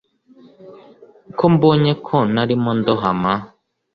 ko mbonye ko narimo ndohama